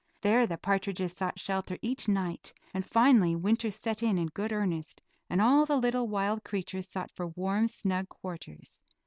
There the partridges sought shelter each night, and finally winter set in in good earnest and all the little wild creatures sought for warm, snug quarters.